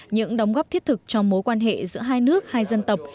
những đóng góp thiết thực cho mối quan hệ giữa hai nước hai dân tộc